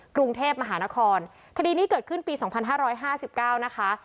กรุงเทพมหานครคดีนี้เกิดขึ้นปีสองพันห้าร้อยห้าสิบเก้านะคะ